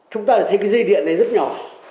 chúng ta thấy cái dây điện này rất nhỏ